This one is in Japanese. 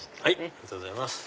ありがとうございます。